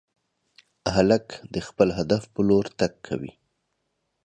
هلک د خپل هدف په لور تګ کوي.